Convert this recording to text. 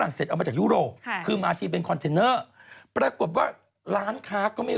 ตุ้งอยู่กับพื้นอะไรอย่างนี้